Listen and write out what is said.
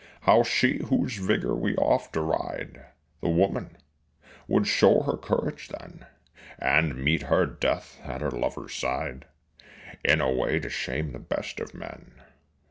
How she whose vigor we oft deride The woman would show her courage then, And meet her death at her lover's side In a way to shame the best of men.